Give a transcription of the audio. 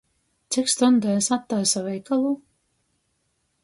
Cik stuņdēs attaisa veikalu?